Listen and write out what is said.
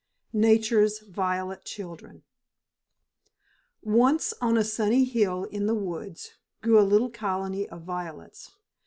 Nature's Violet Children Once on a sunny hill in the woods grew a little colony of violets.